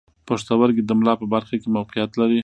پښتورګي د ملا په برخه کې موقعیت لري.